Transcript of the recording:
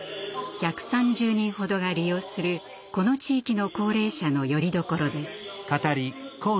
１３０人ほどが利用するこの地域の高齢者のよりどころです。